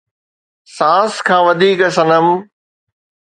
سانس کان وڌيڪ صنم